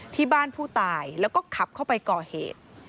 ที่บ้านผู้ตายแล้วก็ขับเข้าไปก่อเหตุ